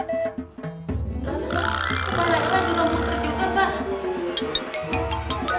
kemarang kita juga bukut juga pak